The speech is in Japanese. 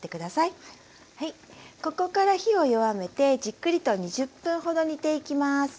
ここから火を弱めてじっくりと２０分ほど煮ていきます。